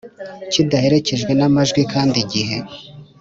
Kidaherekejwe n amajwi kandi igihe